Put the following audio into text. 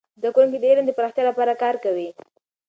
زده کوونکي د علم د پراختیا لپاره کار کوي.